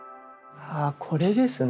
あぁこれですね。